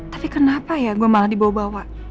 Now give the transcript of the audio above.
tapi kenapa ya gue malah dibawa bawa